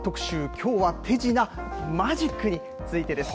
きょうは手品、マジックについてです。